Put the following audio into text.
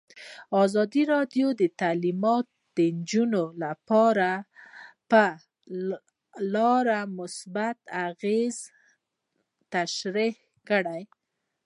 ازادي راډیو د تعلیمات د نجونو لپاره په اړه مثبت اغېزې تشریح کړي.